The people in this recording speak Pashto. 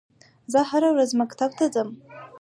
زه هره ورځ مکتب ته ځم